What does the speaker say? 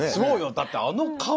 だってあの川！